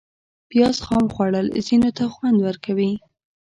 پیاز خام خوړل ځینو ته خوند ورکوي